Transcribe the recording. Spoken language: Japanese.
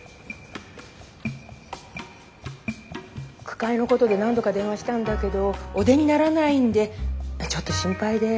句会のことで何度か電話したんだけどお出にならないんでちょっと心配で。